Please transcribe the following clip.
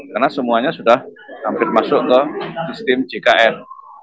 karena semuanya sudah hampir masuk ke sistem jkn